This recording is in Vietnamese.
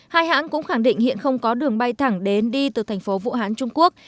hai hãng cũng khẳng định hiện không có đường bay thẳng đến đi từ thành phố vũ hán trung quốc